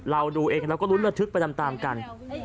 เราดูเองแล้วก็รุ้นระทึกไปตามกัน